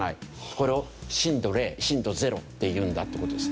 これを震度０震度ゼロっていうんだっていう事です。